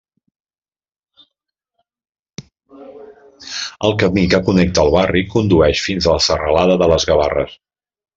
El camí que connecta el barri condueix fins a la serralada de les Gavarres.